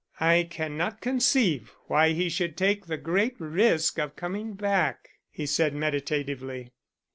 "I cannot conceive why he should take the great risk of coming back," he said meditatively.